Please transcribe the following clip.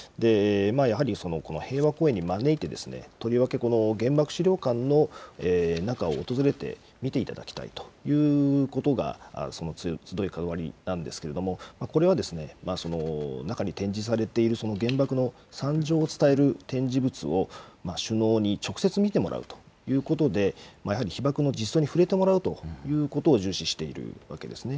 やはり平和公園に招いて、とりわけ原爆資料館の中を訪れて見ていただきたいということがその強いこだわりなんですけれども、これは中に展示されている原爆の惨状を伝える展示物を首脳に直接見てもらうということで、やはり被爆の実相にふれてもらうということを重視しているわけですね。